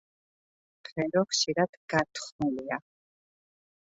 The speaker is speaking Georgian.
ღერო ხშირად გართხმულია.